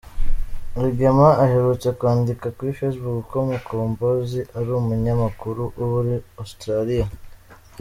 Rugema aherutse kwandika kuri Facebook ko Mukombozi ari umunyamakuru uba muri Australia.